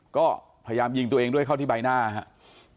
ก็พยายามยิงตัวเองด้วยเข้าที่ใบหน้าครับ